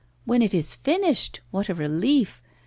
when it is finished, what a relief!